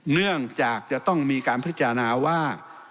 เนื่องจากจะต้องมีการพิจารณาว่า